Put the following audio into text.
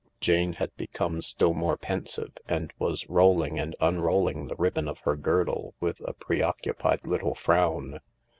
Jane had become still more pensive and was rolling and unrolling the ribbon of her girdle with a pre occupied little frown.